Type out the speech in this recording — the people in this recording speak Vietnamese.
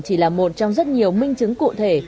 chỉ là một trong rất nhiều minh chứng cụ thể